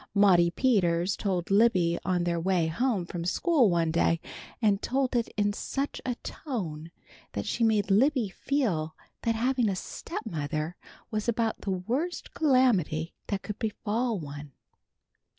Maudie Peters told Libby on their way home from school one day, and told it in such a tone that she made Libby feel that having a stepmother was about the worst calamity that could befall one.